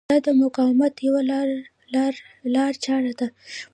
دا د مقاومت یوه لارچاره ده.